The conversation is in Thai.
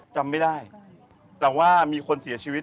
จำไม่ได้แต่ว่ามีคนเสียชีวิต